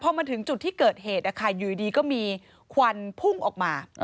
พอมาถึงจุดที่เกิดเหตุอยู่ดีก็มีควันพุ่งออกมา